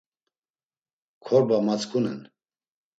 Korba matzǩunen.